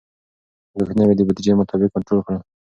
لګښتونه مې د بودیجې مطابق کنټرول کړل.